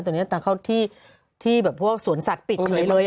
เจ้าเข้าที่พวกสวนสัตว์ปิดเฉยเลย